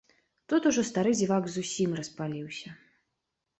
Тут ужо стары дзівак зусім распаліўся.